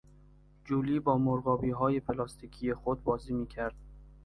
جولی با مرغابیهای پلاستیکی خود بازی میکرد.